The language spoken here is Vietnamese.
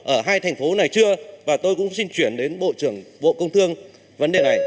ở hai thành phố này chưa và tôi cũng xin chuyển đến bộ trưởng bộ công thương vấn đề này